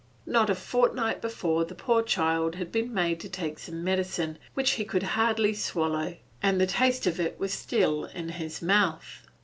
Not a fortnight before the poor child had been made to take some medicine which he could hardly swallow, and the taste of it was still in his mouth.